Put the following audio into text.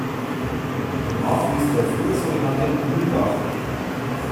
Durch den Ort fließt der früher so genannte "Mühlbach".